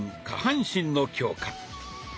下半身の強化。